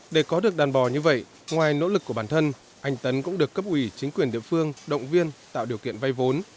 để có được đàn bò như vậy ngoài nỗ lực của bản thân anh tấn cũng được cấp ủy chính quyền địa phương động viên tạo điều kiện vay vốn